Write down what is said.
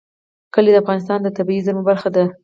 کلي د افغانستان د طبیعي زیرمو برخه ده.